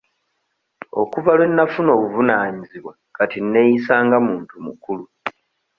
Okuva lwe nnafuna obuvunaanyizibwa kati nneeyisa nga muntu mukulu.